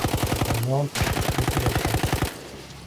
El cañón es flotante.